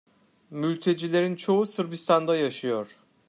Mültecilerin çoğu Sırbistan'da yaşıyor.